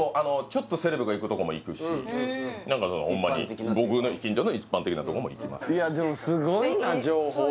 ちょっとセレブが行くとこも行くし何かそのホンマに僕の近所の一般的なとこも行きます